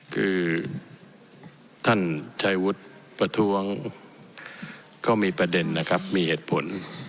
คือท่านชัยวุฒิประท้วงก็มีประเด็นนะครับมีเหตุผล